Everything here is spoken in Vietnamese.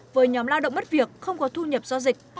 với nhóm lao động mất việc không có thu nhập do dịch